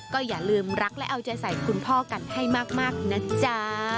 ก็อย่าลืมรักและเอาใจใส่คุณพ่อกันให้มากนะจ๊ะ